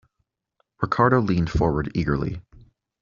Ricardo leaned forward eagerly.